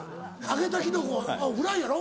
揚げたキノコフライやろ？